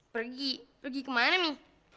pergi pergi ke mana mi